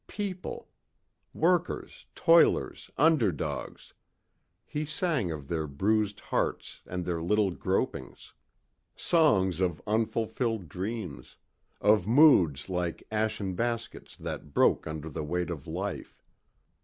People ... workers, toilers, underdogs ... he sang of their bruised hearts and their little gropings. Songs of unfulfilled dreams, of moods like ashen baskets that broke under the weight of life.